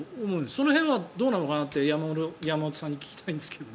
その辺はどうなのかなって山本さんに聞きたいんですけど。